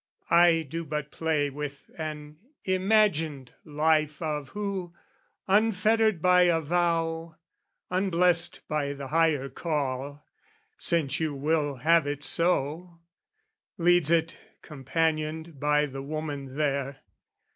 I do but play with an imagined life Of who, unfettered by a vow, unblessed By the higher call, since you will have it so, Leads it companioned by the woman there.